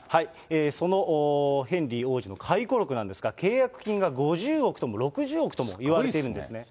そのヘンリー王子の回顧録なんですが、契約金が５０億とも、６０億ともいわれてるんですね。